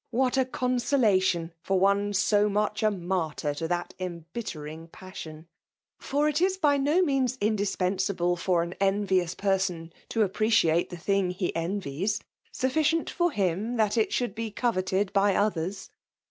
What a consolation for one so nuw:h a martyr to that embittering passion ! For it is by no means indispensable for an enrious person to appreciate the thing he earies ; sufficient ibr him that it should be ooireted by others